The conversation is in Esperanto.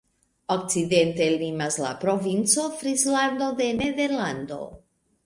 Okcidente limas la Provinco Frislando de Nederlando.